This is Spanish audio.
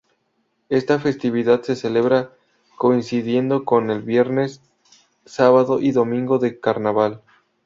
Esta festividad se celebra coincidiendo con el viernes, sábado y domingo de carnaval.